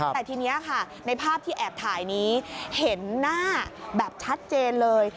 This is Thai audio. แต่ทีนี้ค่ะในภาพที่แอบถ่ายนี้เห็นหน้าแบบชัดเจนเลย